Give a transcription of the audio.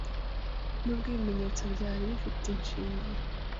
Nubwo ibimenyetso byari bifite ishingiro